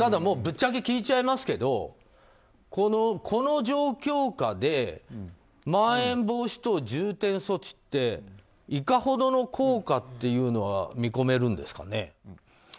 ぶっちゃけ聞いちゃいますけどこの状況下でまん延防止等重点措置っていかほどの効果っていうのは見込めるんですかね？